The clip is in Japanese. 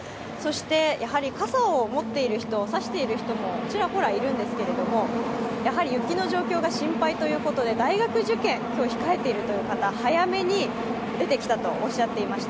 やはり傘を持っている人差している人もちらほらいるんですけれども、雪の状況が心配ということで、大学受験を今日控えている方は早めに出てきたとおっしゃっていました。